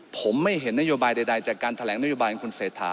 ผมไม่เห็นนโยบายใดจากการแถลงนโยบายของคุณเศรษฐา